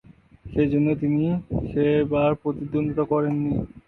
সে জন্য তিনি সে বার প্রতিদ্বন্দ্বিতা করেন নি।